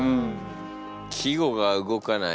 「季語が動かない」。